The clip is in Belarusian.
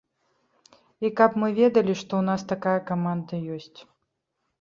І каб мы ведалі, што ў нас такая каманда ёсць.